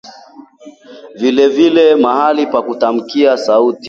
Vilevile mahali pa kutamkia sauti